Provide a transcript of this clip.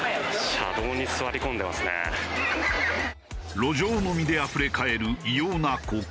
路上飲みであふれかえる異様な光景。